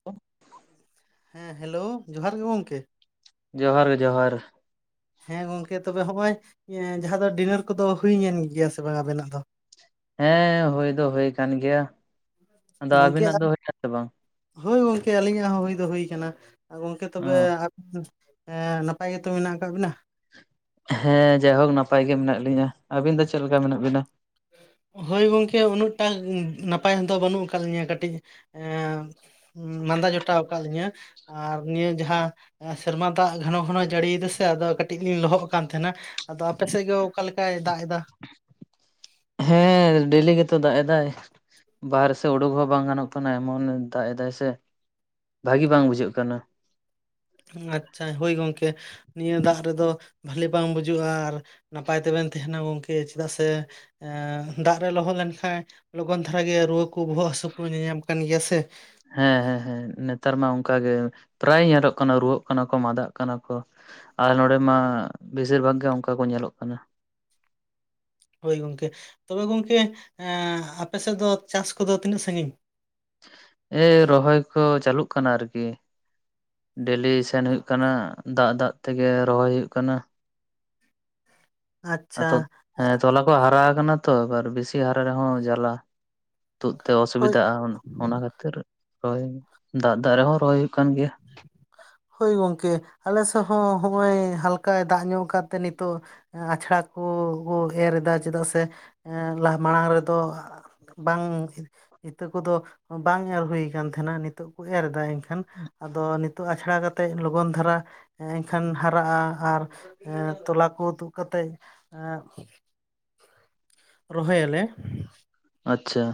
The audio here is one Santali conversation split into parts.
[inaudible] ᱦᱮᱸ ᱦᱮᱞᱳ ᱡᱚᱦᱟᱨ ᱜᱮ ᱜᱚᱢᱠᱮ ᱡᱚᱦᱟᱨ ᱜᱮ ᱡᱚᱦᱟᱨ ᱦᱮᱸ ᱜᱚᱝᱠᱮ ᱛᱚᱵᱮ ᱦᱚᱸᱜᱚᱭ ᱡᱟᱦᱟᱸ ᱫᱚ ᱰᱤᱱᱟᱨ ᱠᱚᱫᱚ ᱦᱩᱭᱮᱱ ᱜᱤᱭᱟ ᱥᱮ ᱵᱟᱝ ᱟᱵᱮᱱᱟᱜ ᱫᱚ? ᱦᱮᱸ ᱦᱩᱭ ᱫᱚ ᱦᱩᱭᱳ ᱠᱟᱱ ᱜᱮᱭᱟ᱾ ᱟᱫᱚ ᱜᱚᱝᱠᱮ ᱟᱵᱤᱱᱟᱜ ᱫᱚ ᱦᱩᱭ ᱱᱟ ᱥᱮ ᱵᱟᱝ? ᱦᱳᱭ ᱜᱚᱝᱠᱮ ᱟᱹᱞᱤᱧᱟᱜ ᱦᱚᱸ ᱦᱩᱭ ᱫᱚ ᱦᱩᱭ ᱟᱠᱟᱱᱟ᱾ ᱜᱚᱝᱠᱮ ᱚ ᱛᱚᱵᱮ ᱟ ᱮᱸ ᱱᱟᱯᱟᱭ ᱜᱮᱛᱚ ᱢᱮᱱᱟᱜ ᱟᱠᱟᱫ ᱵᱤᱱᱟ? ᱦᱮᱸ ᱡᱟᱭᱦᱳᱠ ᱱᱟᱯᱟᱭ ᱜᱮ ᱢᱮᱱᱟᱜ ᱞᱤᱧᱟᱹ᱾ ᱟᱹᱵᱤᱱ ᱫᱚ ᱪᱮᱫ ᱞᱮᱠᱟ ᱢᱮᱱᱟᱜ ᱵᱤᱱᱟ? ᱦᱳᱭ ᱜᱚᱝᱠᱮ ᱩᱱᱟᱹᱜ ᱴᱟ ᱱᱟᱯᱟᱭ ᱫᱚ ᱵᱟᱹᱱᱩᱜ ᱟᱠᱟᱫ ᱞᱤᱧᱟᱹ ᱠᱟᱹᱴᱤᱡ ᱮᱸᱻ ᱢᱟᱸᱫᱟ ᱡᱚᱴᱟᱣ ᱟᱠᱟᱫ ᱞᱤᱧᱟ ᱟᱨ ᱱᱤᱭᱟᱹ ᱡᱟᱦᱟᱸ ᱥᱮᱨᱢᱟ ᱫᱟᱜ ᱜᱷᱚᱱᱚ ᱜᱷᱚᱱᱚᱭ ᱡᱟᱹᱲᱤᱭ ᱫᱟᱥᱮ ᱟᱫᱚ ᱠᱟᱹᱴᱤᱡ ᱞᱤᱧ ᱞᱚᱦᱚᱫ ᱠᱟᱱ ᱛᱟᱦᱮᱱᱟ᱾ ᱟᱫᱚ ᱟᱯᱮ ᱥᱮᱫ ᱜᱮ ᱚᱠᱟ ᱞᱮᱠᱟᱭ ᱫᱟᱜ ᱮᱫᱟ? ᱦᱮᱸ ᱰᱮᱞᱤ ᱜᱮᱛᱚ ᱫᱟᱜ ᱮᱫᱟᱭ᱾ ᱵᱟᱦᱨᱮ ᱥᱮᱜ ᱩᱰᱩᱠ ᱦᱚᱸ ᱵᱟᱝ ᱜᱟᱱᱚᱜ ᱠᱟᱱᱟ ᱮᱢᱚᱱ ᱫᱟᱜ ᱮᱫᱟᱭ ᱥᱮ᱾ ᱵᱷᱟᱹᱜᱤ ᱵᱟᱝ ᱵᱩᱡᱷᱟᱹᱜ ᱠᱟᱱᱟ᱾ ᱟᱪᱪᱷᱟ ᱦᱳᱭ ᱜᱚᱝᱠᱮ, ᱱᱤᱭᱟᱹ ᱫᱟᱜ ᱨᱮᱫᱚ ᱵᱷᱟᱹᱞᱤ ᱵᱟᱝ ᱵᱩᱡᱩᱜᱼᱟ ᱟᱨ ᱱᱟᱯᱟᱭ ᱛᱮᱵᱮᱱ ᱛᱟᱦᱮᱱᱟ ᱜᱚᱢᱠᱮ ᱪᱮᱫᱟᱜ ᱥᱮ᱾ ᱮ ᱫᱟᱜ ᱨᱮ ᱞᱚᱦᱚᱜ ᱞᱮᱱᱠᱷᱟᱡ ᱞᱚᱜᱚᱱ ᱫᱷᱟᱨᱟ ᱜᱮ ᱨᱩᱣᱟᱹ ᱠᱚ ᱵᱚᱦᱚᱜ ᱦᱟᱹᱥᱩ ᱠᱚ ᱧᱮᱧ ᱧᱟᱢ ᱠᱟᱱ ᱜᱮᱭᱟ ᱥᱮ᱾ ᱦᱮᱸ ᱦᱮᱸ ᱦᱮᱸ ᱱᱮᱛᱟᱨ ᱢᱟ ᱚᱱᱠᱟ ᱜᱮ ᱯᱨᱟᱭ ᱧᱮᱞᱚᱜ ᱠᱟᱱᱟ ᱨᱩᱣᱟᱹᱜ ᱠᱟᱱᱟ ᱠᱚ ᱢᱟᱫᱟᱜ ᱠᱟᱱᱟ ᱠᱚ᱾ ᱟᱨ ᱱᱚᱰᱮ ᱢᱟ ᱵᱮᱥᱤᱨ ᱵᱷᱟᱜᱽ ᱜᱮ ᱚᱱᱠᱟ ᱠᱚ ᱧᱮᱞᱚᱜ ᱠᱟᱱᱟ᱾ ᱦᱳᱭ ᱜᱚᱝᱠᱮ ᱛᱚᱵᱮ ᱜᱚᱝᱠᱮ ᱟᱯᱮᱥᱮᱫ ᱫᱚ ᱪᱟᱥ ᱠᱚᱫᱚ ᱛᱤᱱᱟᱹᱜ ᱥᱟᱺᱜᱤᱧ ᱮᱭ ᱨᱚᱦᱚᱭ ᱠᱚ ᱪᱟᱹᱞᱩᱜ ᱠᱟᱱᱟ ᱟᱨᱠᱤ᱾ ᱰᱮᱞᱤ ᱥᱮᱱ ᱦᱳᱭᱳᱜ ᱠᱟᱱᱟ ᱫᱟᱜ ᱫᱟᱜ ᱛᱮᱜᱮ ᱨᱚᱦᱚᱭ ᱦᱩᱭᱩᱜ ᱠᱟᱱᱟ᱾ ᱟᱪᱪᱷᱟ ᱟᱫᱚ ᱦᱮᱸ ᱛᱚᱞᱟ ᱠᱚ ᱦᱟᱨᱟ ᱟᱠᱟᱱᱟ ᱛᱚᱟᱨ ᱵᱮᱥᱤ ᱦᱟᱨᱟ ᱨᱮᱦᱚᱸ ᱡᱟᱞᱟ᱾ ᱛᱩᱫ ᱛᱮ ᱦᱳᱭ ᱚᱥᱩᱵᱤᱫᱟᱜᱼᱟ, ᱚᱱᱟ ᱠᱷᱟᱹᱛᱤᱨ ᱳᱭ ᱫᱟᱜ ᱫᱟᱜ ᱨᱮᱦᱚᱸ ᱨᱚᱦᱚᱭ ᱦᱩᱭᱩᱜ ᱠᱟᱱ ᱜᱮᱭᱟ᱾ ᱦᱳᱭ ᱜᱚᱝᱠᱮ ᱟᱞᱮ ᱥᱮᱫ ᱦᱚᱸ ᱦᱚᱸᱜᱼᱚᱭ ᱦᱟᱞᱠᱟᱭ ᱫᱟᱜ ᱧᱚᱜ ᱟᱠᱟᱫ ᱛᱮ ᱱᱤᱛᱚᱜ, ᱟᱪᱷᱲᱟ ᱠᱚ ᱮᱨ ᱮᱫᱟ ᱪᱮᱫᱟᱜ ᱥᱮ ᱞᱟᱦᱟ ᱢᱟᱲᱟᱝ ᱨᱮᱫᱚ ᱵᱟᱝ ᱤᱛᱟᱹ ᱠᱚᱫᱚ ᱵᱟᱝ ᱮᱨ ᱦᱩᱭ ᱠᱟᱱ ᱛᱟᱦᱮᱱᱟ, ᱱᱤᱛᱳᱜ ᱠᱚ ᱮᱨᱫᱟ ᱮᱱᱠᱷᱟ᱾ ᱮᱠᱷᱟᱱ ᱟᱫᱚ ᱱᱤᱛᱚᱜ ᱟᱪᱷᱲᱟ ᱠᱟᱛᱮᱫ ᱞᱚᱜᱚᱱ ᱫᱷᱟᱨᱟ ᱮᱱᱠᱷᱟᱱ ᱦᱟᱨᱟᱜᱼᱟ ᱟᱨ ᱮᱸ ᱛᱚᱞᱟ ᱠᱚ ᱛᱩᱫ ᱠᱟᱛᱮᱜ, ᱮᱸ ᱨᱚᱦᱚᱭ ᱟᱞᱮ ᱟᱪᱪᱷᱟ,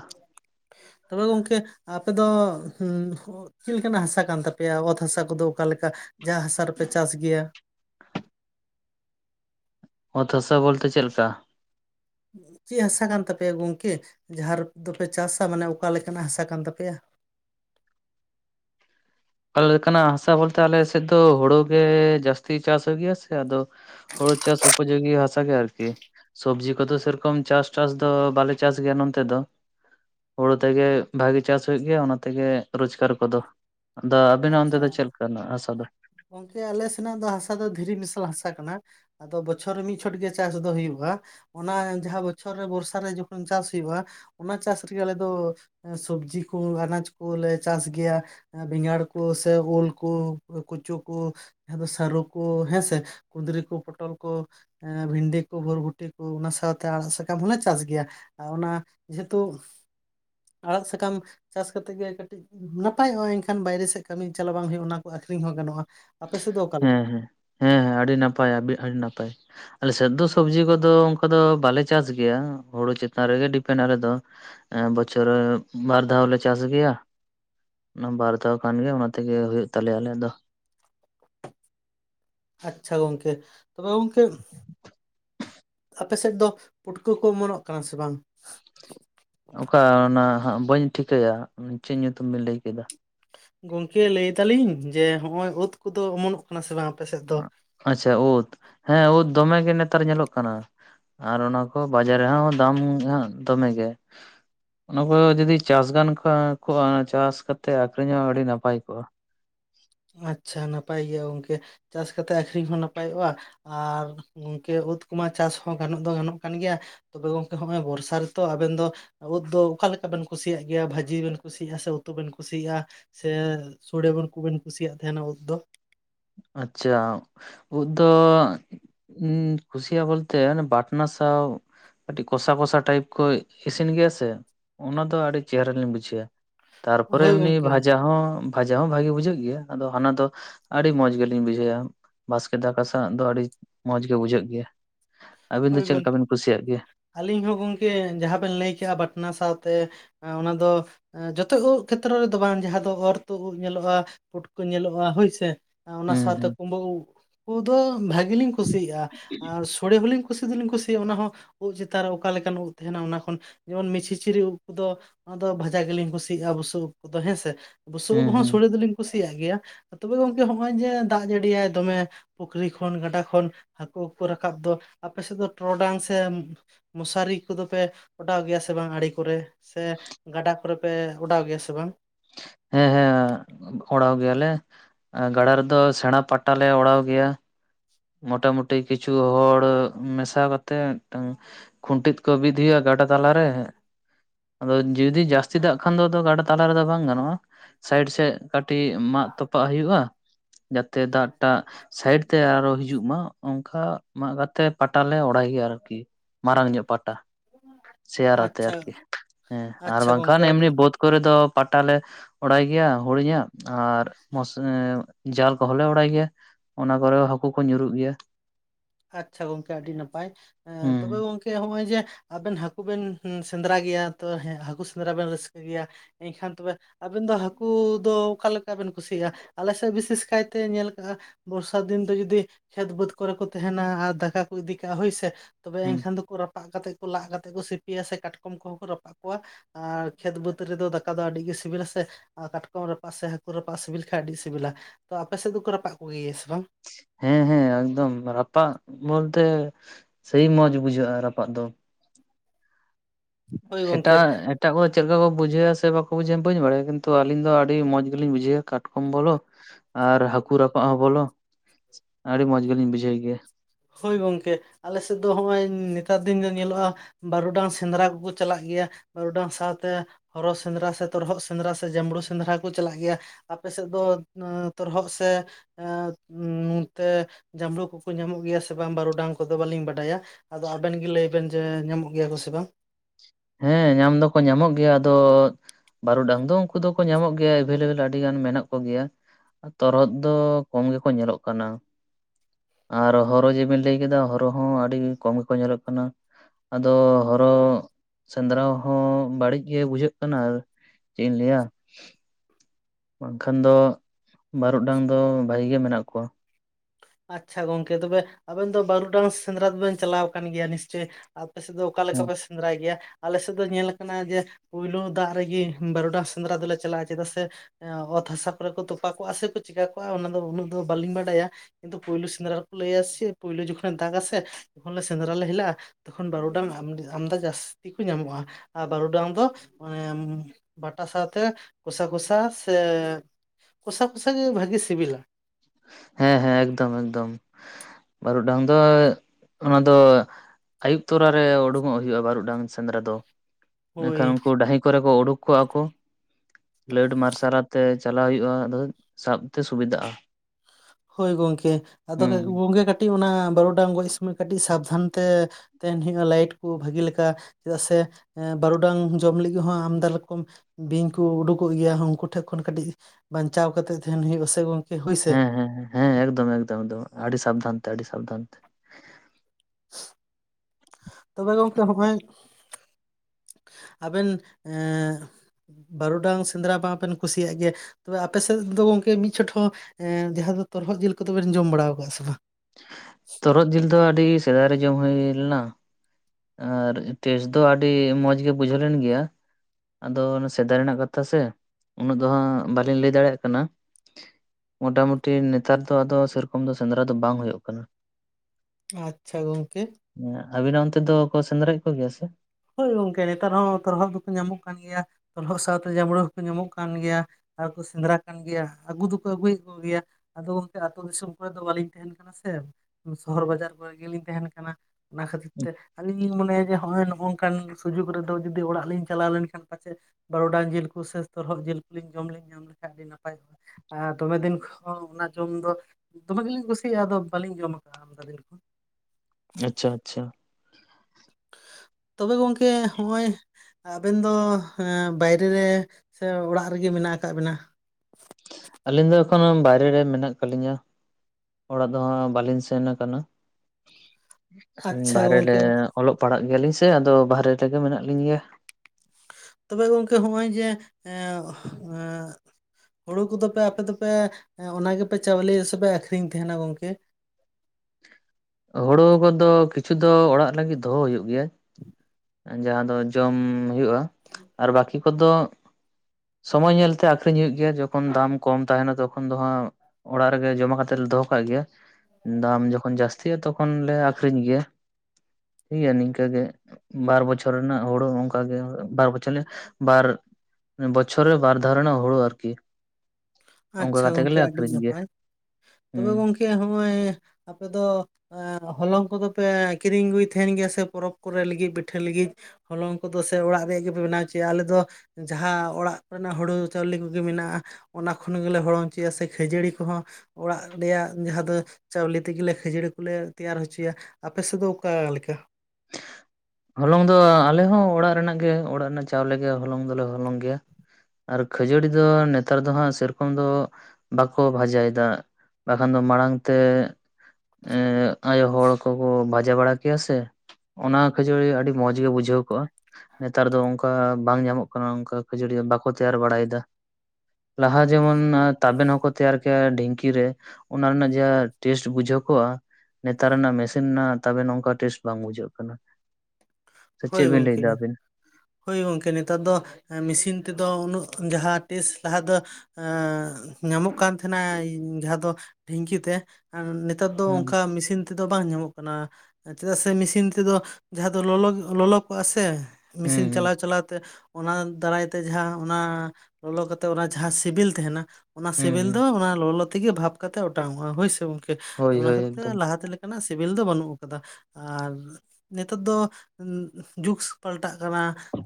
ᱛᱚᱵᱮ ᱜᱚᱝᱠᱮ ᱟᱯᱮ ᱫᱚ [unintelligible] ᱪᱮᱫ ᱞᱮᱠᱟᱱᱟᱜ ᱦᱟᱥᱟ ᱠᱟᱱ ᱛᱟᱯᱮᱭᱟ? ᱚᱛ ᱦᱟᱥᱟ ᱠᱚᱫᱚ ᱚᱠᱟᱞᱮᱠᱟ ᱡᱟᱦᱟ ᱦᱟᱥᱟ ᱨᱮᱯᱮ ᱪᱟᱥ ᱜᱮᱭᱟ᱾ ᱚᱛ ᱦᱟᱥᱟ ᱵᱚᱞᱛᱮ ᱪᱮᱫ ᱞᱮᱠᱟ? ᱪᱮᱫ ᱦᱟᱥᱟ ᱠᱟᱱ ᱛᱟᱯᱮᱭᱟ ᱜᱚᱝᱠᱮ? ᱡᱟᱦᱟᱸ ᱨᱮ ᱫᱚᱯᱮ ᱪᱟᱥᱟ ᱢᱟᱱᱮ ᱚᱠᱟᱞᱮᱠᱟᱱᱟᱜ ᱦᱟᱥᱟ ᱠᱟᱱ ᱛᱟᱯᱮᱭᱟ? ᱟᱞᱮ ᱞᱮᱠᱟᱱᱟᱜ ᱦᱟᱥᱟ ᱵᱚᱞᱛᱮ ᱟᱞᱮ ᱥᱮᱫ ᱫᱚ ᱦᱩᱲᱩ ᱜᱮ ᱡᱟᱹᱥᱛᱤ ᱪᱟᱥ ᱦᱩᱭᱩᱜ ᱜᱮᱭᱟ ᱥᱮ ᱟᱫᱚ᱾ ᱦᱳᱲᱳ ᱪᱟᱥ ᱩᱯᱚᱡᱳᱜᱤ ᱦᱟᱥᱟ ᱜᱮ ᱟᱨᱠᱤ ᱥᱚᱵᱽᱡᱤ ᱠᱚᱫᱚ ᱥᱮᱨᱚᱠᱚᱢ ᱪᱟᱥᱴᱟᱥ ᱫᱚ ᱵᱟᱞᱮ ᱪᱟᱥ ᱜᱮᱭᱟ ᱱᱚᱱᱛᱮ ᱫᱚ᱾ ᱦᱩᱲᱩ ᱛᱮᱜᱮ ᱵᱷᱟᱜᱤ ᱪᱟᱥ ᱦᱳᱭᱳᱜ ᱜᱮᱭᱟ, ᱚᱱᱟᱛᱮᱜᱮ ᱨᱳᱡᱽᱠᱟᱨ ᱠᱚᱫᱚ᱾ ᱟᱫᱚ ᱟᱵᱤᱱ ᱚᱱᱛᱮ ᱟᱪᱪᱷᱟ ᱫᱚ ᱪᱮᱫ ᱠᱟᱱᱟ ᱦᱟᱥᱟ ᱫᱚ? ᱜᱚᱝᱠᱮ ᱟᱞᱮ ᱥᱮᱱᱟᱜ ᱫᱚ ᱦᱟᱥᱟ ᱫᱚ ᱫᱷᱤᱨᱤ ᱢᱮᱥᱟᱞ ᱦᱟᱥᱟ ᱠᱟᱱᱟ᱾ ᱟᱫᱚ ᱵᱚᱪᱷᱚᱨ ᱨᱮ ᱢᱤᱫ ᱪᱷᱚᱴ ᱜᱮ ᱪᱟᱥ ᱫᱚ ᱦᱩᱭᱩᱜᱼᱟ᱾ ᱚᱱᱟ ᱡᱟᱦᱟᱸ ᱵᱚᱪᱷᱚᱨ ᱨᱮ ᱵᱚᱨᱥᱟ ᱨᱮ ᱡᱚᱠᱷᱚᱱ ᱪᱟᱥ ᱦᱩᱭᱩᱜᱼᱟ᱾ ᱚᱱᱟ ᱪᱟᱥ ᱨᱮᱜᱮ ᱟᱞᱮ ᱫᱚ ᱥᱚᱵᱡᱤ ᱠᱚ ᱟᱱᱟᱪ ᱠᱚᱞᱮ ᱪᱟᱥ ᱜᱮᱭᱟ ᱵᱮᱸᱜᱟᱲ ᱠᱚ ᱥᱮ ᱳᱞ ᱠᱚ [unintelligible] ᱩᱪᱩ ᱠᱚ ᱡᱟᱦᱟᱸ ᱫᱚ ᱥᱟᱹᱨᱩ ᱠᱚ ᱦᱮᱸᱥᱮ ᱠᱩᱸᱫᱽᱨᱤ ᱠᱚ ᱯᱚᱴᱚᱞ ᱠᱚ ᱮᱸ ᱵᱷᱤᱱᱰᱤ ᱠᱚ ᱵᱷᱚᱨᱵᱷᱩᱴᱤ ᱠᱚ ᱚᱱᱟ ᱥᱟᱶᱛᱮ ᱟᱲᱟᱜ ᱥᱟᱠᱟᱢ ᱦᱚᱸᱞᱮ ᱪᱟᱥ ᱜᱮᱭᱟ᱾ ᱚᱱᱟ ᱡᱮᱦᱮᱛᱩ ᱟᱲᱟᱜ ᱥᱟᱠᱟᱢ ᱪᱟᱥ ᱠᱟᱛᱮᱜ ᱜᱮ ᱠᱟᱹᱴᱤᱡ ᱱᱟᱯᱟᱭᱚᱜᱼᱟ᱾ ᱮᱱᱠᱷᱟᱱ ᱵᱟᱭᱨᱮ ᱥᱮᱫ ᱠᱟᱹᱢᱤ ᱪᱟᱞᱟᱣ ᱵᱟᱝ ᱦᱩᱭᱩᱜᱼᱟ᱾ ᱚᱱᱟ ᱠᱚ ᱟᱠᱷᱨᱤᱧ ᱦᱚᱸ ᱜᱟᱱᱚᱜᱼᱟ᱾ ᱟᱯᱮ ᱥᱮᱫ ᱫᱚ ᱚᱠᱟᱞᱮᱠᱟ ᱦᱮᱸ ᱦᱮᱸ ᱦᱮᱸ ᱟᱹᱰᱤ ᱱᱟᱯᱟᱭ ᱟᱹᱵᱤ ᱟᱹᱰᱤ ᱱᱟᱯᱟᱭ᱾ ᱟᱞᱮ ᱥᱮᱫ ᱫᱚ ᱥᱚᱵᱡᱤ ᱠᱚᱫᱚ ᱚᱱᱠᱟ ᱫᱚ ᱵᱟᱞᱮ ᱪᱟᱥ ᱜᱮᱭᱟ᱾ ᱦᱳᱲᱳ ᱪᱮᱛᱟᱱ ᱨᱮᱜᱮ ᱰᱤᱯᱮᱱ ᱟᱞᱮ ᱫᱚ᱾ ᱮᱸ ᱵᱚᱪᱷᱚᱨ ᱵᱟᱨ ᱫᱷᱟᱣᱞᱮ ᱪᱟᱥ ᱜᱮᱭᱟ᱾ ᱚᱱᱟ ᱵᱟᱨ ᱫᱷᱟᱣ ᱠᱷᱟᱱᱜᱮ ᱚᱱᱟ ᱛᱮᱜᱮ ᱦᱳᱭᱳᱜ ᱛᱟᱞᱮᱭᱟ ᱟᱞᱮ ᱫᱚ᱾ ᱟᱪᱪᱷᱟ ᱜᱚᱝᱠᱮ ᱛᱚᱵᱮ ᱜᱚᱝᱠᱮ ᱟᱯᱮ ᱥᱮᱫ ᱫᱚ ᱯᱩᱴᱠᱟᱹ ᱠᱚ ᱚᱢᱚᱱᱚᱜ ᱠᱟᱱᱟ ᱥᱮ ᱵᱟᱝ? ᱚᱠᱟ ᱚᱱᱟ ᱦᱟᱸᱜ ᱵᱟᱹᱧ ᱴᱷᱤᱠᱟᱹᱭᱟ, ᱪᱮᱫ ᱧᱩᱛᱩᱢ ᱵᱤᱱ ᱞᱟᱹᱭ ᱠᱮᱫᱟ? ᱜᱚᱝᱠᱮ ᱞᱟᱹᱭ ᱫᱟᱞᱤᱧ ᱡᱮ ᱦᱚᱜ ᱚᱭ ᱳᱛ ᱠᱚᱫᱚ ᱚᱢᱚᱱᱚᱜ ᱠᱟᱱᱟ ᱥᱮ ᱵᱟᱝ ᱟᱯᱮᱥᱮᱫ ᱫᱚ ᱟᱪᱪᱷᱟ ᱩᱫ ᱦᱮᱸ ᱩᱫ ᱫᱚᱢᱮ ᱜᱮ ᱱᱮᱛᱟᱨ ᱧᱮᱞᱚᱜ ᱠᱟᱱᱟ᱾ ᱟᱨ ᱚᱱᱟ ᱠᱚ ᱵᱟᱡᱟᱨ ᱨᱮᱦᱚᱸ ᱫᱟᱢ ᱦᱜ ᱫᱚᱢᱮ ᱜᱮ᱾ ᱚᱱᱟᱠᱩ ᱡᱩᱫᱤ ᱪᱟᱥ ᱜᱟᱱ ᱠᱚ ᱠᱚᱜᱼᱟ ᱪᱟᱥ ᱠᱟᱛᱮ ᱟᱠᱠᱷᱨᱤᱧ ᱦᱚᱸ ᱟᱹᱰᱤ ᱱᱟᱯᱟᱭ ᱠᱚᱜᱼᱟ᱾ ᱟᱪᱷᱟ ᱱᱟᱯᱟᱭ ᱜᱮᱭᱟ ᱜᱚᱝᱠᱮ ᱪᱟᱥ ᱠᱟᱛᱮᱜ ᱟᱠᱷᱨᱤᱧ ᱦᱚᱸ ᱱᱟᱯᱟᱭᱚᱜᱼᱟ᱾ ᱟᱨ ᱜᱝᱠᱮ ᱩᱫ ᱠᱚᱢᱟ ᱪᱟᱥ ᱦᱚᱸ ᱜᱟᱱᱚᱜ ᱫᱚ ᱜᱟᱱᱚᱜ ᱠᱟᱱ ᱜᱮᱭᱟ᱾ ᱛᱚᱵᱮ ᱜᱚᱝᱠᱮ ᱦᱚᱸᱜᱼᱚᱭ ᱵᱚᱨᱥᱟ ᱨᱮᱛᱚ ᱟᱵᱮᱱ ᱫᱚ ᱩᱫ ᱫᱚ ᱚᱠᱟᱞᱠᱟ ᱵᱮᱱ ᱠᱩᱥᱤᱭᱟᱜ ᱜᱮᱭᱟ ᱵᱷᱟᱹᱡᱤ ᱵᱮᱱ ᱠᱩᱥᱤᱭᱟᱜᱼᱟ, ᱥᱮ ᱩᱛᱩ ᱵᱱ ᱠᱩᱥᱤᱭᱟᱜᱼᱟ᱾ ᱥᱮ ᱥᱳᱲᱮᱵᱚᱱ ᱠᱚᱵᱤᱱ ᱠᱩᱥᱤᱭᱟᱜ ᱛᱟᱦᱮᱱᱟ ᱩᱫ ᱫᱚ ᱟᱪᱷᱟ ᱩᱵ ᱫᱚ ᱦᱩ ᱠᱩᱩᱥᱤᱭᱟ ᱵᱚᱞᱛᱮ ᱟᱱᱮ ᱵᱟᱴᱱᱟ ᱥᱟᱶ ᱠᱟᱹᱴᱤᱡ ᱠᱚᱥᱟ ᱠᱚᱥᱟ ᱴᱟᱭᱤᱯ ᱠᱚ ᱤᱥᱤᱱ ᱜᱮᱭᱟ ᱥᱮ ᱚᱱᱟ ᱫᱚ ᱟᱹᱰᱤ ᱪᱮᱦᱨᱟ ᱞᱤᱧ ᱵᱩᱡᱷᱟᱹᱣᱟ ᱛᱟᱨᱯᱚᱨᱮ ᱦᱳᱭ ᱮᱢᱱᱤ ᱜᱚᱝᱠᱮ ᱵᱷᱟᱡᱟ ᱦᱚᱸ ᱵᱷᱟᱡᱟ ᱦᱚᱸ ᱵᱷᱟᱜᱤ ᱵᱩᱡᱷᱟᱹᱜ ᱜᱮᱭᱟᱹ ᱟᱫᱚ ᱦᱟᱱᱟ ᱫᱚ ᱟᱹᱰᱤ ᱢᱚᱸᱡᱽ ᱢᱚᱸᱡᱽ ᱜᱮᱞᱤᱧ ᱵᱩᱡᱷᱟᱹᱭᱟ ᱵᱟᱥᱠᱮ ᱫᱟᱠᱟ ᱥᱟᱶ ᱫᱚ ᱟᱹᱰᱤ ᱢᱚᱸᱡᱽ ᱜᱮ ᱵᱩᱡᱷᱟᱹᱜ ᱜᱮᱭᱟ ᱟᱹᱵᱤᱱ ᱫᱚ ᱪᱮᱫᱠᱟ ᱵᱤᱱ ᱠᱩᱥᱤᱭᱟᱜ ᱜᱮᱭᱟ᱾ ᱟᱞᱤᱧ ᱦᱚᱸ ᱜᱚᱝᱠᱮ ᱡᱟᱦᱟᱸ ᱵᱮᱱ ᱞᱟᱹᱭ ᱠᱮᱜᱼᱟ ᱵᱟᱴᱱᱟ ᱥᱟᱶᱛᱮ ᱚᱱᱟᱫᱚ᱾ ᱡᱚᱛᱚ ᱩᱵ ᱠᱷᱮᱛᱨᱚ ᱨᱮᱫᱚ ᱵᱟᱝ ᱡᱟᱦᱟᱸ ᱫᱚ ᱚᱨ ᱛᱚ ᱩᱵ ᱧᱮᱞᱚᱜᱼᱟ, ᱯᱩᱴᱠᱟᱹ ᱧᱮᱞᱚᱜᱼᱟ, ᱦᱳᱭᱥᱮ ᱚᱱᱟ ᱦᱩᱸ ᱥᱟᱶᱛᱮ ᱦᱩᱸ ᱠᱩᱢᱵᱟᱹ ᱠᱚᱫᱚ ᱵᱷᱟᱜᱤ ᱞᱤᱧ ᱠᱩᱥᱤᱭᱟᱜᱼᱟ, ᱟᱨ ᱥᱳᱲᱮ ᱦᱚᱸᱞᱤᱧ ᱠᱩᱥᱤ ᱫᱤᱱ ᱤᱧ ᱠᱩᱥᱤᱭᱟᱜᱼᱟ ᱚᱱᱟ ᱦᱚᱸᱚᱸ ᱩᱵ ᱪᱮᱛᱟᱱ ᱨᱮ ᱚᱠᱟ ᱞᱮᱠᱟᱱ ᱩᱵ ᱛᱟᱦᱮᱱᱟ ᱚᱱᱟ ᱠᱷᱚᱱ ᱡᱮᱢᱚᱱ ᱢᱤᱪᱷᱤᱪᱤᱨᱤ ᱩᱵ ᱠᱚᱫᱚ ᱚᱱᱟᱫᱚ ᱵᱷᱟᱡᱟ ᱜᱮᱞᱤᱧ ᱠᱩᱥᱤᱭᱟᱜᱼᱟ ᱵᱩᱥᱩᱵ ᱩᱵ ᱠᱚᱫᱚ ᱦᱮᱸᱥᱮ ᱵᱩᱥᱩᱵ ᱦᱩᱸ ᱩᱰ ᱦᱚᱸ ᱦᱩᱸ ᱥᱲᱮ ᱫᱚᱞᱤᱧ ᱠᱩᱥᱤᱭᱟᱜ ᱜᱮᱭᱟ᱾ ᱛᱚᱵᱮ ᱜᱚᱝᱠᱮ ᱦᱚᱜᱼᱚᱭ ᱡᱮ ᱫᱟᱜ ᱡᱟᱹᱲᱤᱭᱟᱭ ᱫᱚᱢᱮ ᱯᱩᱠᱷᱨᱤ ᱠᱷᱚᱱ ᱜᱟᱰᱟ ᱠᱷᱚᱱ ᱦᱟᱹᱠᱩ ᱠᱩ ᱨᱟᱠᱟᱵ ᱫᱚ᱾ ᱟᱯ ᱥᱮᱫ ᱫᱚ ᱴᱚᱨᱚᱰᱟᱝ ᱥᱮ ᱢᱚᱥᱟᱨᱤ ᱠᱚᱫᱚ ᱯᱮ ᱚᱰᱟᱣ ᱜᱮᱭᱟ ᱥᱮ ᱵᱟᱝ ᱟᱲᱮ ᱠᱚᱨᱮ? ᱥᱮ ᱜᱟᱰᱟ ᱠᱚᱨᱮ ᱯᱮ ᱚᱰᱟᱣ ᱜᱮᱭᱟ ᱥᱮ ᱵᱟᱝ? ᱦᱮᱸ ᱦᱮᱸ ᱚᱲᱟᱣ ᱜᱮᱭᱟᱞᱮ ᱜᱟᱰᱟ ᱨᱮᱫᱚ ᱥᱮᱬᱟ ᱯᱟᱴᱟᱞ ᱞᱮ ᱚᱲᱟᱣ ᱜᱮᱭᱟ ᱢᱚᱴᱟᱟᱢᱩᱴᱤ ᱠᱤᱪᱷᱩ ᱦᱚᱲ ᱢᱮᱥᱟ ᱠᱟᱛᱮᱜ ᱢᱤᱫᱴᱟᱝ ᱠᱷᱩᱱᱴᱤᱫ ᱠᱚ ᱵᱤᱫ ᱦᱩᱭᱩᱜᱼᱟ ᱜᱟᱰᱟ ᱛᱟᱞᱟᱨᱮ᱾ ᱟᱫᱚ ᱡᱩᱫᱤ ᱡᱟᱹᱥᱛᱤ ᱫᱟᱜ ᱠᱷᱟᱱ ᱫᱚ ᱟ ᱜᱟᱰᱟ ᱛᱟᱞᱟ ᱨᱮᱫᱚ ᱵᱟᱝ ᱜᱟᱱᱚᱜᱼᱟ᱾ ᱥᱟᱤᱰ ᱥᱮᱡ ᱠᱟᱹᱴᱤᱡ ᱢᱟᱜ ᱛᱚᱯᱟᱜ ᱦᱩᱭᱩᱜᱼᱟ ᱡᱟᱛᱮ ᱫᱟᱜ ᱴᱟᱜ ᱥᱟᱭᱤᱰ ᱛᱮ ᱟᱨᱚ ᱦᱤᱡᱩᱜ ᱢᱟ ᱚᱱᱠᱟ ᱢᱟᱜ ᱠᱟᱛᱮᱜ ᱯᱟᱴᱟ ᱞᱮ ᱚᱲᱟᱭ ᱜᱮᱭᱟ ᱟᱨᱠᱤ ᱢᱟᱨᱟᱝ ᱧᱚᱜ ᱯᱟᱴᱟ ᱥᱮᱭᱟᱨᱟᱛᱮ ᱟᱪᱪᱷᱟ ᱟᱨᱠᱤ ᱦᱮᱸ ᱟᱨ ᱟᱪᱪᱷᱟ ᱜᱚᱝᱠᱮ ᱵᱟᱝᱠᱷᱟᱱ ᱟᱹᱰᱤ ᱮᱢᱱᱤ ᱵᱟᱹᱫ ᱠᱚᱨᱮ ᱫᱚ ᱯᱟᱴᱟᱮ ᱚᱲᱟᱭ ᱜᱮᱭᱟ ᱦᱩᱲᱩᱧᱟᱜ ᱟᱨ ᱢᱚᱥ ᱡᱟᱞ ᱠᱚᱦᱚᱸᱞᱮ ᱚᱲᱟᱭ ᱜᱮᱭᱟ᱾ ᱚᱱᱟ ᱠᱚᱨᱮ ᱦᱚ ᱦᱟᱹᱠᱩ ᱠᱚ ᱧᱩᱨᱩᱜ ᱜᱮᱭᱟ᱾ ᱟᱪᱷᱟ ᱜᱚᱝᱠᱮ ᱟᱹᱰᱤ ᱱᱟᱯᱟᱭ ᱦᱩᱸ ᱛᱚᱵᱮ ᱜᱚᱝᱠᱮ ᱦᱚᱜᱼᱚᱭ ᱡᱮ ᱟᱵᱮᱱ ᱦᱟᱹᱠᱩ ᱵᱮᱱ ᱥᱮᱸᱫᱽᱨᱟ ᱜᱮᱭᱟ ᱛ ᱦᱟᱹᱠᱩ ᱥᱮᱸᱫᱽᱨᱟ ᱵᱮᱱ ᱨᱟᱹᱥᱠᱟᱹ ᱜᱮᱭᱟ ᱮᱱᱠᱷᱟᱱ ᱛᱚᱵᱮ ᱟᱵᱮᱱ ᱫᱚ ᱦᱟᱹᱠᱩ ᱫᱚ ᱚᱠᱟᱞᱮᱠᱟᱵᱱ ᱠᱩᱥᱤ ᱭᱟᱜᱼᱟ᱾ ᱟᱞᱮᱥᱮᱫ ᱵᱤᱥᱮᱥ ᱠᱟᱭᱛᱮ ᱧᱮᱞ ᱠᱟᱜᱼᱟ ᱵᱚᱨᱥᱟ ᱫᱤᱱ ᱛᱮ ᱡᱚᱫᱤ ᱠᱷᱮᱛ ᱵᱟᱹᱫᱽ ᱠᱚᱨᱮ ᱠᱚ ᱛᱟᱦᱮᱱᱟ ᱟᱨ ᱫᱟᱠᱟ ᱠᱚ ᱤᱫᱤ ᱠᱟᱜᱼᱟ ᱦᱳᱭᱥᱮ, ᱛᱚᱵᱮ ᱦᱩᱸ ᱮᱱᱠᱷᱟᱱ ᱫᱚᱠᱚ ᱨᱟᱯᱟᱜ ᱨᱟᱯᱟᱜ ᱠᱟᱛᱮ ᱠᱚ ᱞᱟᱟᱜ ᱠᱟᱛᱮ ᱠᱚ ᱥᱤᱯᱤᱭᱟ ᱥᱮ ᱠᱟᱴᱠᱚᱢ ᱠᱚᱦᱚᱸ ᱠᱚ ᱨᱟᱯᱟᱜ ᱠᱚᱣᱟ᱾ ᱟᱨ ᱠᱷᱮᱛ ᱵᱟᱹᱫᱽ ᱨᱮᱫᱚ ᱫᱟᱠᱟ ᱫᱚ ᱟᱹᱰᱤ ᱜᱤ ᱥᱤᱵᱤᱞᱟᱥᱮ ᱠᱟᱴᱠᱚᱢ ᱨᱟᱯᱟᱜ ᱥᱮ ᱦᱟᱹᱠᱩ ᱨᱟᱯᱟᱜ ᱥᱤᱵᱤᱞ ᱠᱷᱟᱱᱡ ᱟᱹᱰᱤ ᱥᱤᱵᱤᱞᱟ᱾ ᱛᱚ ᱟᱯᱮ ᱥᱮᱫ ᱫᱚᱠᱚ ᱨ ᱨᱟᱯᱟᱜ ᱠᱚᱜᱮᱭᱟ ᱥᱮ ᱵᱟᱝ? ᱦᱮᱸ ᱦᱮᱸ ᱮᱠᱫᱚᱢ ᱨᱟᱯᱟᱜ ᱵᱚᱞᱛᱮ ᱥᱮᱭ ᱢᱚᱸᱡᱽ ᱵᱩᱡᱷᱟᱹᱜᱼᱟ ᱨᱟᱯᱟᱜ ᱫᱚ᱾ ᱦᱳᱭ ᱜᱚᱝᱠᱮ ᱮᱴᱟᱜ ᱮᱴᱟᱜ ᱠᱚᱫᱚ ᱪᱮᱫ ᱞᱮᱠᱟ ᱠᱚ ᱵᱩᱡᱷᱟᱹᱭᱟ ᱥᱮ ᱵᱟᱠᱚ ᱵᱩᱡᱷᱟᱹ ᱵᱟᱹᱧ ᱵᱟᱲᱟᱭᱟ ᱠᱤᱱᱛᱩ ᱟᱹᱞᱤᱧ ᱫᱚ ᱟᱹᱰᱤ ᱢᱡᱽ ᱜᱮᱞᱤᱧ ᱵᱩᱡᱷᱟᱹᱣᱟ ᱠᱟᱴᱠᱚᱢ ᱵᱚᱞᱚ ᱟᱨ ᱦᱟᱹᱠᱩ ᱨᱟᱠᱟᱵ ᱦᱚᱸ ᱵᱚᱞᱚ᱾ ᱟᱹᱰᱤ ᱢᱚᱸᱡᱽ ᱜᱮᱞᱤᱧ ᱵᱩᱡᱷᱟᱹᱣ ᱜᱮᱭᱟ᱾ ᱦᱳᱭ ᱜᱚᱢᱠᱮ ᱟᱞᱮ ᱥᱮᱫ ᱫᱚ ᱱᱚᱜᱼᱚᱭ ᱱᱮᱛᱟᱨ ᱫᱤᱱ ᱫᱚ ᱧᱮᱞᱚᱜᱼᱟ ᱵᱟᱹᱨᱩᱰᱟᱝ ᱥᱮᱸᱫᱽᱨᱟ ᱠᱚᱠᱚ ᱪᱟᱞᱟᱜ ᱜᱮᱭᱟ ᱵᱟᱹᱨᱩᱰᱟᱝ ᱥᱟᱶᱛᱮ ᱦᱚᱨᱚ ᱥᱮᱸᱫᱽᱨᱟ ᱥᱮ ᱛᱚᱨᱚᱦᱚᱫ ᱥᱮᱸᱫᱽᱨᱟ ᱥᱮ ᱡᱟᱢᱸᱲᱩ ᱥᱮᱸᱫᱽᱨᱟ ᱠᱚ ᱪᱟᱞᱟᱜ ᱜᱮᱭᱟ᱾ ᱟᱯᱮᱥᱮᱫ ᱫᱚ ᱛᱚᱨᱚᱦᱚᱫ ᱥᱮ ᱮ ᱱᱚᱛᱮ ᱡᱟᱢᱸᱲᱩ ᱠᱚᱠᱚ ᱧᱟᱢᱚᱜ ᱜᱮᱭᱟ, ᱥᱮ ᱥᱮ ᱵᱟᱝ ᱵᱟᱨᱩᱰᱟᱝ ᱠᱚᱫᱚ ᱵᱟᱞᱤᱧ ᱵᱟᱰᱟᱭᱟ ᱟᱫᱚ ᱟᱵᱮᱱ ᱜᱮ ᱞᱟᱹᱭᱟᱵᱱ ᱡᱮ ᱧᱟᱢᱚᱜ ᱜᱮᱭᱟ ᱠᱚ ᱥᱮ ᱵᱟᱝ ᱦᱮᱸ ᱧᱟᱢ ᱫᱚᱠᱚ ᱧᱟᱢᱚᱜ ᱜᱮᱭᱟ ᱟᱫᱚ ᱵᱟᱹᱨᱩ ᱰᱟᱝ ᱫᱚ ᱩᱝᱠᱩ ᱫᱚᱠᱚ ᱧᱟᱢᱚᱜ ᱜᱮᱭᱟ, ᱮᱵᱮᱞᱮᱵᱮᱞ ᱟᱹᱰᱤ ᱜᱟᱱ ᱢᱮᱱᱟᱜ ᱠᱚᱜᱮᱭᱟ᱾ ᱛᱚᱨᱦᱚᱫ ᱫᱚ ᱠᱚᱢ ᱜᱮᱠᱚ ᱧᱮᱞᱚᱜ ᱠᱟᱱᱟ᱾ ᱟᱨ ᱦᱚᱨᱚ ᱡᱮᱵᱤᱱ ᱞᱟᱹᱭ ᱠᱮᱫᱟ ᱦᱚᱨᱚ ᱦᱚᱸ ᱟᱹᱰᱤ ᱠᱚᱢ ᱜᱮᱠᱚ ᱧᱮᱞᱚᱜ ᱠᱟᱱᱟ᱾ ᱟᱫᱚ ᱦᱚᱨᱚ ᱥᱮᱸᱫᱽᱨᱟ ᱦᱚᱸ ᱵᱟᱹᱲᱤᱡ ᱜᱮ ᱵᱩᱡᱷᱟᱹᱜ ᱠᱟᱱᱟ ᱪᱮᱫ ᱤᱧ ᱞᱟᱹᱭᱟ ᱵᱟᱝᱠᱷᱟᱱ ᱫᱚ ᱵᱟᱹᱨᱩᱜ ᱰᱟᱝ ᱫᱚ ᱵᱷᱟᱜᱤ ᱜᱮ ᱢᱮᱱᱟᱜ ᱠᱚᱣᱟ᱾ ᱟᱪᱪᱷᱟ ᱜᱚᱝᱠᱮ, ᱛᱚᱵᱮ ᱟᱵᱮᱱ ᱫᱚ ᱵᱟᱨᱩᱰᱟᱝ ᱥᱮᱸᱫᱽᱨᱟ ᱫᱚ ᱵᱮᱱ ᱪᱟᱞᱟᱣ ᱟᱠᱟᱱ ᱜᱮᱭᱟ ᱱᱤᱥᱪᱳᱭ? ᱟᱯᱮ ᱥᱮᱫ ᱫᱚ ᱚᱠᱟᱞ ᱞᱮᱠᱟ ᱦᱮᱸ ᱯᱮ ᱥᱮᱫᱽᱨᱟᱭ ᱜᱮᱭᱟ? ᱟᱞᱮ ᱥᱮᱫ ᱫᱚ ᱧᱮᱞ ᱟᱠᱟᱱᱟ ᱡᱮ, ᱯᱩᱭᱞᱳ ᱫᱟᱜ ᱨᱮᱜᱮ ᱵᱟᱨᱩᱰᱟᱝ ᱥᱮᱸᱫᱽᱨᱟ ᱫᱚᱞᱮ ᱪᱟᱞᱟᱜᱼᱟ ᱪᱮᱫᱟᱜ ᱥᱮ ᱮ ᱚᱛ ᱦᱟᱥᱟ ᱠᱚᱨᱮ ᱠᱚ ᱛᱚᱯᱟ ᱠᱚᱜᱼᱟ, ᱥᱮᱠᱚ ᱪᱤᱠᱟ ᱠᱚᱜᱼᱟ ᱚᱱᱟ ᱫᱚ ᱩᱱᱟᱹᱜ ᱫᱚ ᱵᱟᱹᱞᱤᱧ ᱵᱟᱰᱟᱭᱟ᱾ ᱠᱤᱱᱛᱩ ᱯᱳᱭᱞᱳ ᱥᱮᱸᱫᱽᱨᱟ ᱠᱚ ᱞᱟᱹᱭᱟ ᱥᱮ ᱯᱩᱭᱞᱩ ᱡᱮᱠᱷᱚᱱ ᱫᱟᱜᱟ ᱥᱮ ᱡᱚᱠᱷᱚᱱᱮ ᱥᱮᱫᱽᱨᱟ ᱞᱮ ᱦᱮᱞᱟᱼᱟ᱾ ᱛᱚᱠᱷᱚᱱ ᱵᱟᱨᱩᱰᱟᱝ ᱟᱢᱫᱟ ᱡᱟᱹᱥᱛᱤ ᱠᱚ ᱧᱟᱢᱚᱜᱼᱟ, ᱟᱨ ᱵᱟᱨᱩᱰᱟᱝ ᱫᱚ ᱚᱱᱮ ᱵᱟᱴᱟ ᱥᱟᱶᱛᱮ ᱠᱚᱥᱟ ᱠᱚᱥᱟ ᱥᱮ, ᱠᱚᱥᱟ ᱠᱚᱥᱟ ᱜᱮ ᱵᱷᱟᱜᱤ ᱥᱤᱵᱤᱞᱟ ᱾ ᱦᱮᱸ ᱦᱮᱸ ᱮᱠᱫᱚᱢ ᱮᱠᱫᱚᱢ ᱵᱟᱹᱨᱩ ᱰᱟᱝ ᱫᱚ ᱚᱱᱟ ᱫᱚ ᱟᱭᱩᱵ ᱛᱚᱨᱟ ᱨᱮ ᱩᱰᱩᱠᱚᱜ ᱦᱩᱭᱩᱜᱼᱟ ᱵᱟᱨᱩ ᱰᱟᱝ ᱥᱮᱸᱫᱽᱨᱟ ᱫᱚ᱾ ᱦᱳᱭ ᱢᱮᱱᱠᱷᱟᱱ ᱩᱝᱠᱩ ᱰᱟᱺᱦᱤ ᱠᱚᱨᱮ ᱠᱚ ᱩᱰᱩᱠ ᱠᱚᱜᱼᱟ ᱠᱚ ᱞᱟᱹᱴ ᱢᱟᱨᱥᱟᱞ ᱟᱛᱮ ᱪᱟᱞᱟᱣ ᱦᱩᱭᱩᱜᱼᱟ, [unintelligible] ᱥᱟᱵᱛᱮ ᱥᱩᱵᱤᱫᱷᱟᱜᱼᱟ᱾ ᱦᱳᱭ ᱜᱚᱢᱠᱮ ᱟᱫᱚ ᱦᱩᱸ ᱦᱩᱸ ᱜᱚᱢᱠᱮ ᱠᱟᱹᱴᱤᱡ ᱚᱱᱟ ᱵᱟᱹᱨᱩᱰᱟᱝ ᱜᱚᱡ ᱥᱚᱢᱚᱭ ᱠᱟᱹᱴᱤᱡ ᱥᱟᱵᱫᱷᱟᱱ ᱛᱮ ᱛᱟᱦᱮᱱ ᱦᱩᱭᱩᱜᱼᱟ ᱞᱟᱭᱤᱴ ᱠᱚ ᱵᱷᱟᱹᱜᱤ ᱞᱮᱠᱟ ᱪᱮᱫᱟᱜ ᱥᱮ ᱵᱟᱨᱩᱰᱟᱝ ᱡᱚᱢ ᱞᱟᱹᱜᱤᱫ ᱦᱚᱸ ᱟᱢᱫᱟ ᱨᱚᱠᱚᱢ ᱵᱤᱧ ᱠᱩ ᱩᱰᱩᱠᱚᱜ ᱜᱮᱭᱟ ᱩᱱᱠᱩ ᱴᱷᱮᱱ ᱠᱷᱚᱱ ᱠᱟᱹᱴᱤᱡ ᱵᱟᱧᱪᱟᱣ ᱠᱟᱛᱮᱜ ᱛᱟᱦᱮᱱ ᱦᱩᱭᱩᱜ ᱟᱥᱮ ᱜᱚᱝᱠᱮ ᱦᱩᱭ ᱥᱮ᱾ ᱦᱮᱸ ᱦᱮᱸ ᱦᱮᱸ ᱮᱠᱫᱚᱢ ᱮᱠᱫᱚᱢ ᱮᱠᱫᱚᱢ ᱟᱹᱰᱤ ᱥᱟᱵᱫᱷᱟᱱ ᱟᱹᱰᱤ ᱥᱟᱵᱫᱷᱟᱱ ᱛᱮ ᱛᱚᱵᱮ ᱜᱚᱝᱠᱮ ᱦᱚᱸᱜᱼᱚᱭ ᱟᱵᱮᱱ ᱮ ᱵᱟᱹᱨᱩᱰᱟᱝ ᱥᱮᱸᱫᱽᱨᱟ ᱵᱟᱝ ᱵᱮᱱ ᱠᱩᱥᱤᱭᱟᱜ ᱜᱮᱭᱟ᱾ ᱛᱚᱵᱮ ᱟᱯᱮ ᱥᱮᱫ ᱫᱚ ᱜᱚᱝᱠᱮ ᱢᱤᱫ ᱪᱷᱚᱴ ᱦᱚᱸ ᱮᱸ ᱡᱟᱦᱟᱸ ᱫᱚ ᱛᱚᱨᱦᱚᱫ ᱡᱤᱞ ᱠᱚᱫᱚ ᱵᱮᱱ ᱡᱚᱢ ᱵᱟᱲᱟ ᱠᱟᱫᱟᱜ ᱥᱮ ᱵᱟᱝ? ᱛᱚᱨᱚᱫ ᱡᱤᱞ ᱫᱚ, ᱟᱹᱰᱤ ᱥᱮᱫᱟᱭ ᱨᱮ ᱡᱚᱢ ᱦᱩᱭ ᱞᱮᱱᱟ᱾ ᱟᱨ ᱴᱮᱥᱴ ᱫᱚ ᱟᱹᱰᱤ ᱢᱚᱸᱡᱽ ᱜᱮ ᱵᱩᱡᱷᱟᱹᱣ ᱞᱮᱱ ᱜᱮᱭᱟ᱾ ᱟᱫᱚ ᱥᱮᱫᱟᱭ ᱨᱮᱱᱟᱜ ᱠᱟᱛᱷᱟ ᱥᱮ, ᱩᱱᱟᱹᱜ ᱫᱚ ᱦᱟᱸᱜ ᱵᱟᱹᱞᱤᱧ ᱞᱟᱹᱭ ᱫᱟᱲᱮᱭᱟᱜ ᱠᱟᱱᱟ᱾ ᱢᱚᱴᱟ ᱢᱩᱴᱤ ᱱᱮᱛᱟᱨ ᱫᱚ ᱟᱫᱚ ᱥᱮᱨᱚᱠᱚᱢ ᱫᱚ ᱥᱮᱸᱫᱽᱨᱟ ᱫᱚ ᱵᱟᱝ ᱦᱳᱭᱳᱜ ᱠᱟᱱᱟ᱾ ᱟᱪᱪᱷᱟ ᱜᱚᱝᱠᱮ᱾ ᱦᱮᱸ ᱟᱵᱤᱱᱟᱜ ᱚᱱᱛᱮ ᱫᱚᱠᱚ ᱥᱮᱸᱫᱽᱨᱟᱭᱮᱜ ᱠᱚᱜᱮᱭᱟ ᱥᱮ? ᱦᱳᱭ ᱜᱚᱝᱠᱮ ᱱᱮᱛᱟᱨ ᱦᱚᱸ ᱛᱚᱨᱚᱦᱚᱫ ᱫᱚᱠᱚ ᱧᱟᱢᱚᱜ ᱠᱟᱱ ᱜᱮᱭᱟ ᱛᱚᱨᱚᱦᱚᱫ ᱥᱟᱶᱛᱮ ᱡᱟᱢᱵᱽᱲᱩ ᱦᱚᱸᱠᱚ ᱧᱟᱢᱚᱜ ᱠᱟᱱ ᱜᱮᱭᱟ ᱟᱨ ᱠᱚ ᱥᱮᱸᱫᱽᱨᱟ ᱠᱟᱱ ᱜᱮᱭᱟ ᱟᱹᱜᱩ ᱫᱚᱠᱚ ᱟᱹᱜᱩᱭᱮᱫ ᱠᱚᱜᱮᱭᱟ᱾ ᱟᱫᱚ ᱜᱚᱝᱠᱮ ᱟᱛᱳ ᱫᱤᱥᱚᱢ ᱠᱚᱨᱮ ᱫᱚ ᱵᱟᱹᱞᱤᱧ ᱛᱟᱦᱮᱱ ᱠᱟᱱᱟ ᱥᱮ᱾ ᱥᱚᱦᱚᱨ ᱵᱟᱡᱟᱨ ᱠᱚᱨᱮ ᱜᱮᱞᱤᱧ ᱛᱟᱦᱮᱱ ᱠᱟᱱᱟ ᱚᱱᱟ ᱠᱷᱟᱹᱛᱤᱨ ᱛᱮ ᱟᱞᱤᱧ ᱞᱤᱧ ᱢᱚᱱᱮᱭᱟ ᱡᱮ ᱱᱚᱜᱼᱚᱭ ᱱᱚᱝ ᱚᱱᱠᱟᱱ ᱥᱩᱡᱳᱜ ᱨᱮᱫᱚ ᱡᱩᱫᱤ ᱚᱲᱟᱜ ᱞᱤᱧ ᱪᱟᱞᱟᱣ ᱞᱮᱱᱠᱷᱟᱱ ᱯᱟᱪᱮᱫ ᱵᱟᱨᱩᱰᱟᱝ ᱡᱤᱞ ᱠᱚ ᱥᱮ ᱛᱚᱨᱚᱫ ᱡᱤᱞ ᱠᱚᱞᱤᱧ ᱡᱚᱢ ᱞᱤᱧ ᱧᱟᱢ ᱞᱮᱠᱷᱟᱱᱡ ᱟᱹᱰᱤ ᱱᱟᱯᱟᱭᱚᱜᱼᱟ᱾ ᱟᱨ ᱫᱚᱢᱮ ᱫᱤᱱ ᱠᱷᱚᱱ ᱚᱱᱟ ᱡᱚᱢ ᱫᱚ ᱫᱚᱢᱮ ᱜᱮᱞᱤᱧ ᱠᱩᱥᱤᱭᱟᱜᱼᱟ ᱟᱫᱚ ᱵᱟᱞᱤᱧ ᱡᱚᱢ ᱠᱟᱜᱼᱟ ᱚᱝᱠᱟ ᱫᱚ ᱞᱟᱹᱭ ᱞᱮᱠᱷᱟᱱ ᱟᱪᱪᱷᱟ ᱟᱪᱪᱷᱟ ᱛᱚᱵᱮ ᱜᱚᱢᱠᱮ ᱦᱚᱜᱼᱚᱭ ᱟᱵᱮᱱ ᱫᱚ ᱵᱟᱭᱨᱮ ᱨᱮ ᱥᱮ ᱚᱲᱟᱜ ᱨᱮᱜᱮ ᱢᱮᱱᱟᱜ ᱟᱠᱟᱫ ᱵᱮᱱᱟ᱾ ᱟᱹᱞᱤᱧ ᱫᱚ ᱮᱠᱷᱚᱱᱳ ᱵᱟᱭᱨᱮ ᱨᱮ ᱢᱮᱱᱟᱜ ᱟᱠᱟᱫ ᱞᱤᱧᱟᱹ ᱚᱲᱟᱜ ᱫᱚ ᱦᱟᱸᱜ ᱵᱟᱞᱤᱝ ᱥᱮᱱ ᱠᱟᱱᱟ ᱟᱪᱪᱷᱟ ᱵᱟᱦᱨᱮ ᱞᱮ ᱜᱚᱝᱠᱮ ᱚᱞᱚᱜ ᱯᱟᱲᱦᱟᱜ ᱜᱮᱭᱟᱞᱤᱧ ᱥᱮ ᱟᱫᱚ ᱵᱟᱨᱦᱨᱮ ᱨᱮᱜᱮ ᱢᱮᱱᱟᱜ ᱞᱤᱧ ᱜᱮᱭᱟ᱾ ᱛᱚᱵᱮ ᱜᱚᱝᱠᱮ ᱦᱚᱜᱼᱚᱭ ᱡᱮ ᱮᱜ ᱚᱜ ᱦᱩᱲᱩ ᱠᱚᱫᱚᱯᱮ ᱟᱯᱮ ᱫᱚᱯᱮ ᱚᱱᱟᱜ ᱜᱮᱯᱮ ᱪᱟᱣᱞᱮ ᱥᱮᱯᱮ ᱟᱠᱷᱨᱤᱧ ᱛᱟᱦᱮᱱᱟ ᱜᱚᱝᱠᱮ ᱦᱳᱲᱳ ᱠᱚᱫᱚ ᱠᱤᱪᱷᱩ ᱫᱚ ᱚᱲᱟᱜ ᱞᱟᱹᱜᱤᱫ ᱫᱚᱦᱚ ᱦᱳᱭᱳᱜ ᱜᱮᱭᱟ᱾ ᱡᱟᱦᱟᱸ ᱫᱚ ᱡᱚᱢ ᱦᱳᱭᱳᱜᱼᱟ, ᱟᱨ ᱵᱟᱠᱤ ᱠᱚᱫᱚ ᱥᱚᱢᱚᱭ ᱧᱮᱞᱛᱮ ᱟᱠᱷᱨᱤᱧ ᱦᱩᱭᱩ ᱜᱮᱭᱟ ᱡᱚᱠᱷᱚᱱ ᱫᱟᱢ ᱠᱚᱢ ᱛᱟᱦᱮᱱᱟ ᱛᱚᱠᱷᱚᱱ ᱫᱚ ᱦᱟᱸᱜ ᱚᱲᱟᱜ ᱨᱮᱜᱮ ᱡᱚᱢᱟ ᱠᱟᱛᱮᱜ ᱞᱮ ᱫᱚᱦᱚ ᱠᱟᱜ ᱜᱮᱭᱟ ᱫᱟᱢ ᱡᱚᱠᱷᱚᱱ ᱡᱟᱹᱥ ᱼᱟ ᱛᱚᱠᱷᱚᱱ ᱞᱮ ᱟᱠᱷᱨᱤᱧ ᱜᱮᱭᱟ ᱴᱷᱤᱠᱜ ᱜᱮᱭᱟ ᱱᱤᱝᱠᱟᱹ ᱜᱮ ᱵᱟᱨ ᱵᱚᱪᱷᱚᱨ ᱨᱮᱱᱟᱜ ᱦᱩᱲᱩ ᱚᱱᱠᱟᱜᱮ ᱵᱟᱨ ᱵᱚᱪᱷᱚᱨ ᱱᱤᱭᱟᱹ ᱵᱟᱨ ᱵᱚᱪᱷᱚᱨ ᱨᱮ ᱵᱟᱨ ᱫᱷᱟᱣ ᱨᱮᱱᱟᱜ ᱦᱩᱲᱩ ᱟᱨᱠᱤ ᱚᱝᱠᱟ ᱟᱪᱪᱷᱟ ᱠᱟᱛᱮ ᱜᱚᱝᱠᱮ ᱜᱮᱞᱮ ᱟᱹᱰᱤ ᱟᱹᱠᱷᱨᱤᱧ ᱱᱟᱯᱟᱭ᱾ ᱜᱮᱭᱟ ᱦᱩᱸ [unintelligible] ᱦᱚᱸᱜᱼᱚᱭ ᱟᱯᱮ ᱫᱚ ᱮᱸ ᱦᱚᱞᱚᱝ ᱠᱚᱫᱚᱯᱮ ᱠᱤᱨᱤᱧ ᱟᱹᱜᱩᱭ ᱛᱟᱦᱮᱱ ᱜᱮᱭᱟ ᱥᱮ ᱯᱚᱨᱚᱵᱽ ᱠᱚᱨᱮ ᱞᱟᱹᱜᱤᱫ ᱯᱤᱴᱷᱟᱹ ᱞᱟᱹᱜᱤᱫ ᱦᱚᱞᱚᱝ ᱠᱚᱫᱚ ᱥᱮ ᱚᱲᱟᱜ ᱨᱮᱭᱟᱜ ᱜᱮᱯᱮ ᱵᱮᱱᱟᱣ ᱦᱚᱪᱚᱭᱟ ᱟᱞᱮ ᱫᱚ ᱡᱟᱦᱟᱸ ᱚᱲᱟᱜ ᱨᱮᱱᱟᱜ ᱦᱩᱲᱩ ᱪᱟᱣᱞᱮ ᱠᱚᱜᱮ ᱢᱮᱱᱟᱜᱼᱟ ᱚᱱᱟ ᱠᱷᱚᱱ ᱜᱮᱞᱮ ᱦᱚᱞᱚᱝ ᱦᱚᱪᱚᱭᱟ ᱥᱮ ᱠᱷᱟᱹᱡᱟᱹᱲᱤ ᱠᱚᱦᱚᱸ ᱚᱲᱟᱜ ᱨᱮᱭᱟᱜ ᱡᱟᱦᱟᱸ ᱫᱚ ᱪᱟᱣᱞᱮ ᱛᱮᱜᱮᱞᱮ ᱠᱷᱟᱹᱡᱟᱹᱲᱤ ᱠᱚᱞᱮ ᱛᱮᱭᱟᱨ ᱦᱚᱪᱚᱭᱟ, ᱟᱯᱮ ᱥᱮᱫ ᱫᱚ ᱚᱠᱟ ᱞᱮᱠᱟ [inaudible] ᱦᱚᱞᱚᱝ ᱫᱚ ᱟᱞᱮ ᱦᱚᱸ ᱚᱲᱟᱜ ᱨᱮᱱᱟᱜ ᱜᱮ ᱚᱲᱟᱜ ᱨᱮᱱᱟᱜ ᱪᱟᱣᱞᱮ ᱜᱮ ᱦᱚᱞᱚᱝ ᱫᱚᱞᱮ ᱦᱚᱞᱚᱝ ᱜᱮᱭᱟ ᱟᱨ ᱠᱷᱟᱹᱡᱟᱹᱲᱤ ᱫᱚ ᱱᱮᱛᱟᱨ ᱫᱚ ᱦᱟᱸᱜ ᱥᱮᱨᱚᱠᱚᱢ ᱫᱚ ᱵᱟᱠᱚ ᱵᱷᱟᱡᱟᱭᱮᱫᱟ᱾ ᱵᱟᱠᱷᱟᱱ ᱫᱚ ᱢᱟᱲᱟᱝ ᱛᱮ ᱮᱸᱜ ᱟᱭᱳ ᱦᱚᱲ ᱠᱚᱠᱚ ᱵᱷᱟᱡᱟ ᱵᱟᱲᱟ ᱠᱮᱭᱟ ᱥᱮ ᱚᱱᱟ ᱠᱷᱟᱹᱡᱟᱹᱲᱤ ᱟᱹᱰᱤ ᱢᱚᱸᱡᱽ ᱜᱮ ᱵᱩᱡᱷᱟᱹᱣ ᱠᱚᱜᱼᱟ ᱱᱮᱛᱟᱨ ᱫᱚ ᱚᱝᱠᱟ ᱵᱟᱝ ᱧᱟᱢᱚᱜ ᱠᱟᱱᱟ ᱚᱝᱠᱟ ᱠᱷᱟᱹᱡᱟᱹᱲᱤ ᱵᱟᱠᱚ ᱛᱮᱭᱟᱨ ᱵᱟᱲᱟᱭᱮᱫᱟ ᱞᱟᱦᱟ ᱡᱮᱢᱚᱱ ᱛᱟᱵᱮᱱ ᱦᱚᱸᱠᱚ ᱛᱮᱭᱟᱨ ᱠᱮᱭᱟ ᱰᱷᱤᱝᱠᱤ ᱨᱮ ᱚᱱᱟ ᱨᱮᱱᱟᱜ ᱡᱟ ᱴᱮᱥᱴ ᱵᱩᱡᱷᱟᱹᱣ ᱠᱚᱜᱼᱟ ᱱᱮᱛᱟᱨ ᱨᱮᱱᱟᱜ ᱢᱤᱥᱤᱱ ᱨᱮᱱᱟᱜ ᱛᱟᱵᱮᱱ ᱚᱝᱠᱟ ᱴᱮᱥᱴ ᱵᱟᱝ ᱵᱩᱡᱷᱟᱹᱜ ᱠᱟᱱᱟ ᱥᱮ ᱦᱳᱭ ᱪᱮᱫ ᱵᱮᱱ ᱞᱟᱹᱭ ᱜᱚᱝᱠᱮ ᱮᱫᱟ ᱟᱵᱮᱱ ᱦᱳᱭ ᱜᱚᱝᱠᱮ ᱱᱮᱛᱟᱨ ᱫᱚ ᱢᱮᱥᱤᱱ ᱛᱮᱫᱚ ᱩᱱᱟᱹᱜ ᱡᱟᱦᱟᱸ ᱴᱮᱥᱴ ᱞᱟᱦᱟ ᱛᱮᱫᱚ ᱮᱸᱻᱧᱟᱢᱚᱜ ᱠᱟᱱ ᱛᱟᱦᱮᱱᱟ ᱡᱟᱦᱟᱸ ᱫᱚ ᱰᱷᱤᱝᱠᱤ ᱛᱮ ᱱᱮᱛ ᱱᱮᱛᱟᱨ ᱫᱚ ᱦᱩᱸ ᱚᱝᱠᱟ ᱢᱤᱥᱤᱱ ᱛᱮᱫᱚ ᱵᱟᱝ ᱧᱟᱢᱚᱜ ᱠᱟᱱᱟ ᱪᱮᱫᱟᱜ ᱥᱮ ᱢᱤᱥᱤᱱ ᱛᱮᱫᱚ ᱡᱟᱦᱟᱸ ᱫᱚ ᱞᱚ ᱞᱚ ᱞᱚᱞᱚ ᱠᱚᱜᱼᱟ ᱥᱮ ᱦᱩᱸ ᱢᱮᱥᱤᱱ ᱦᱩᱸ ᱪᱟᱞᱟᱣ ᱪᱟᱞᱟᱣ ᱛᱮ ᱚᱱᱟ ᱫᱟᱨᱟᱭ ᱛᱮ ᱡᱟᱦᱟᱸ ᱚᱱᱟ ᱞᱚᱞᱚ ᱠᱟᱛᱮᱜ ᱚᱱᱟ ᱡᱟᱦᱟᱸ ᱥᱤᱵᱤᱞ ᱛᱟᱦᱮᱱᱟ ᱚᱱᱟ ᱦᱩᱸ ᱥᱤᱵᱤᱞ ᱦᱩᱸ ᱫᱚ ᱚᱱᱟ ᱞᱚᱞᱚ ᱛᱮᱜᱮ ᱵᱷᱟᱵ ᱠᱟᱛᱮ ᱚᱴᱟᱝᱚᱜᱼᱟ ᱦᱳᱭᱥᱮ ᱜᱚᱝᱠᱮ ᱟ ᱦᱳᱭ ᱚᱱᱟ ᱦᱳᱭ ᱠᱷᱟᱹᱛᱤᱨ ᱮᱠᱫᱚᱢ ᱞᱟᱦᱟᱛᱮ ᱞᱮᱠᱟ ᱱᱟᱜ ᱥᱤᱵᱤᱞ ᱫᱚ ᱵᱟᱹᱱᱩᱜ ᱟᱠᱟᱫᱟ ᱟᱨ ᱱᱮᱛᱟᱨ ᱫᱚ ᱡᱩᱜᱽ ᱯᱟᱞᱴᱟᱜ ᱠᱟᱱᱟ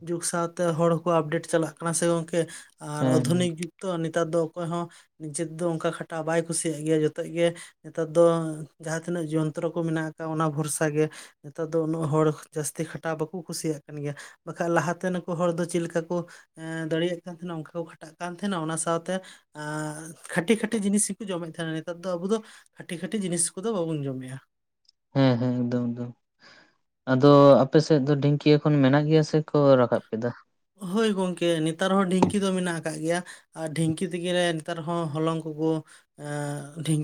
ᱡᱩᱜᱽ ᱥᱟᱶᱛᱮ ᱦᱚᱲ ᱦᱚᱸᱠᱚ ᱟᱯᱰᱮᱴ ᱪᱟᱞᱟᱜ ᱠᱟᱱᱟ ᱥᱮ ᱜᱚᱝᱠᱮ ᱟᱨ ᱦᱮᱸ ᱦᱮᱸ ᱟᱫᱷᱩᱱᱤᱠ ᱡᱩᱜᱽ ᱛᱚ ᱱᱮᱛᱟᱨ ᱫᱚ ᱚᱠᱚᱭ ᱦᱚᱸ ᱱᱤᱡᱮ ᱛᱮᱫᱚ ᱚᱝᱠᱟ ᱠᱷᱟᱴᱟᱣ ᱵᱟᱭ ᱠᱩᱥᱤᱭᱟᱜ ᱜᱮᱭᱟ ᱡᱚᱛᱚ ᱜᱮ ᱱᱮᱛᱟᱨ ᱫᱚ ᱡᱟᱦᱟᱸ ᱛᱤᱱᱟᱹᱜ ᱡᱚᱱᱛᱨᱚ ᱠᱚ ᱢᱮᱱᱟᱜ ᱟᱠᱟᱜ, ᱚᱱᱟ ᱵᱷᱚᱨᱥᱟ ᱜᱮ ᱱᱮᱛᱟᱨ ᱫᱚ ᱩᱱᱟᱹᱜ ᱦᱚᱲ ᱡᱟᱹᱥᱛᱤ ᱠᱷᱟᱴᱟᱣ ᱵᱟᱠᱚ ᱠᱩᱥᱤᱭᱟᱜ ᱠᱟᱱ ᱜᱮᱭᱟ ᱵᱟᱠᱷᱟᱡ ᱞᱟᱦᱟᱛᱮ ᱱᱩᱠᱩ ᱦᱚᱲ ᱫᱚ ᱪᱮᱫ ᱞᱮᱠᱟ ᱠᱚ ᱮᱸ, ᱫᱟᱲᱮᱭᱟᱜ ᱠᱟᱱ ᱛᱟᱦᱮᱱᱟ ᱚᱝᱠᱟ ᱠᱚ ᱠᱷᱟᱴᱟᱜ ᱠᱟᱱ ᱛᱟᱦᱮᱱᱟ ᱚᱱᱟ ᱥᱟᱶᱛᱮ ᱟᱸ ᱠᱷᱟ. ᱴᱤ ᱠᱷᱟᱹᱴᱤ ᱡᱤᱱᱤᱥ ᱜᱮᱠᱚ ᱡᱚᱢᱮᱫ ᱛᱟᱦᱮᱱᱟ ᱱᱮᱛᱟᱨ ᱫᱚ ᱟᱵᱚ ᱫᱚ ᱠᱷᱟᱹᱴᱤ ᱠᱷᱟᱹᱴᱤ ᱡᱤᱱᱤᱥ ᱠᱚᱫᱚ ᱵᱟᱵᱚᱱ ᱡᱚᱢᱮᱜᱼᱟ ᱦᱮᱸ ᱦᱮᱸ ᱮᱠᱫᱚᱢ ᱮᱠᱫᱚᱢ ᱟᱫᱚ ᱟᱯᱮ ᱥᱮᱫ ᱫᱚ ᱰᱷᱤᱝᱠᱤ ᱮᱠᱷᱚᱱ ᱢᱮᱱᱟᱜ ᱜᱮᱭᱟ ᱥᱮᱠᱚ ᱨᱟᱠᱟᱵ ᱠᱮᱫᱟ᱾ ᱦᱳᱭ ᱜᱚᱝᱠᱮ ᱱᱮᱛᱟᱨ ᱦᱚᱸ ᱰᱷᱤᱝᱠᱤ ᱫᱚ ᱢᱮᱱᱟᱜ ᱟᱠᱟᱜ ᱜᱮᱭᱟ ᱟᱨ ᱰᱷᱤᱝᱠᱤ ᱛᱮᱜᱮᱞᱮ ᱱᱮᱛᱟᱨ ᱦᱚᱸ ᱦᱚᱞᱚᱝ ᱠᱚᱠᱚ ᱮᱸᱻ ᱰᱷᱤᱝᱠᱤ